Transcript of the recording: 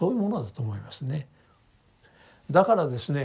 だからですね